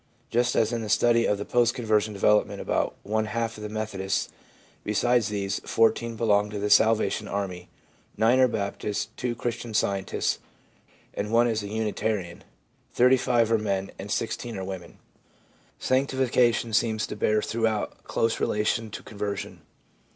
Just as in the study of the post conversion development, about one half are Methodists; besides these, 14 belong to the Salvation Army, 9 are Baptists, 2 Christian Scientists, and 1 is a Unitarian ; 35 are men, and 16 are women. Sanctification seems to bear throughout a close relation to conversion.